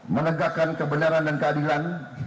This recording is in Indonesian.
menegakkan kebenaran dan keadilan